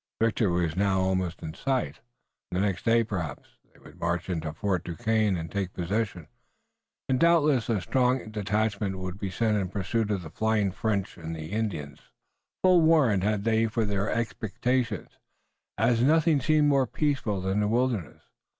Victory was now almost in sight. The next day, perhaps, they would march into Fort Duquesne and take possession, and doubtless a strong detachment would be sent in pursuit of the flying French and Indians. Full warrant had they for their expectations, as nothing seemed more peaceful than the wilderness.